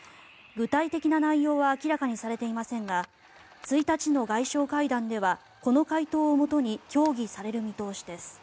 具体的な内容は明らかにされていませんが１日の外相会談ではこの回答をもとに協議される見通しです。